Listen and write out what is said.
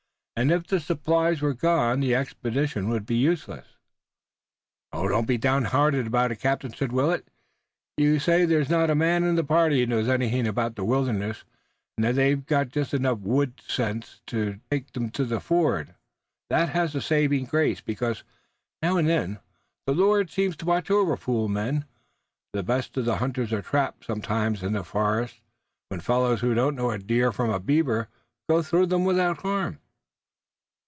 And if the supplies were gone the expedition would be useless. "Don't be downhearted about it, captain," said Willet. "You say there's not a man in the party who knows anything about the wilderness, and that they've got just enough woods sense to take them to the ford. Well, that has its saving grace, because now and then, the Lord seems to watch over fool men. The best of hunters are trapped sometimes in the forest, when fellows who don't know a deer from a beaver, go through 'em without harm."